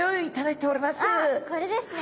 これですね。